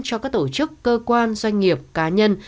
cho các tổ chức cơ quan doanh nghiệp cá nhân